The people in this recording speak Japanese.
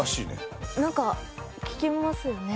なんか聞きますよね。